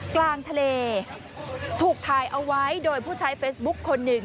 กลางทะเลถูกถ่ายเอาไว้โดยผู้ใช้เฟซบุ๊คคนหนึ่ง